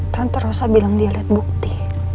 tante rosa bilang dia lihat bukti